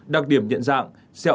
đặc điểm nhận dạng